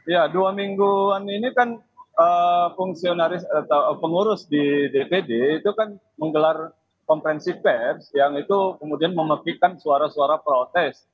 ya dua mingguan ini kan fungsionaris atau pengurus di dpd itu kan menggelar konferensi pers yang itu kemudian memepikan suara suara protes